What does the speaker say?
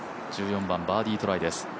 １４番バーディートライです。